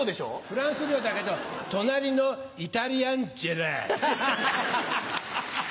フランス領だけど隣のイタリアン・ジェラート。